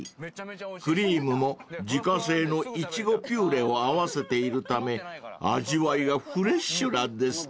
［クリームも自家製のいちごピューレを合わせているため味わいがフレッシュなんですって］